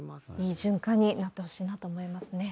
いい循環になってほしいなと思いますね。